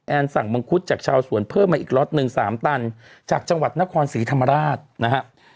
สั่งมังคุดจากชาวสวนเพิ่มมาอีกล็อตหนึ่งสามตันจากจังหวัดนครศรีธรรมราชนะครับ